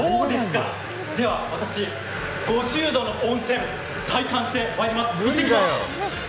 では私、５０度の温泉、体感してまいります。